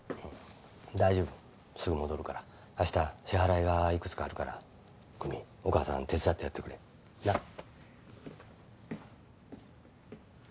大丈夫すぐ戻るから明日支払いがいくつかあるから久美お母さん手伝ってやってくれなっ